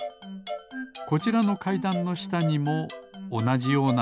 こちらのかいだんのしたにもおなじようなみぞが。